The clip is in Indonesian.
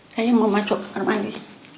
saya mau masuk ke kamar mandi